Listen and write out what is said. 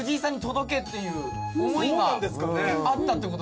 っていう思いがあったってこと。